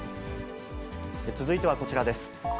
続いてはこちらです。